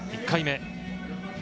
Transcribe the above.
１回目。